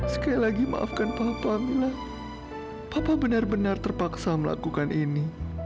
sekali lagi maafkan papa mila papa benar benar terpaksa melakukan ini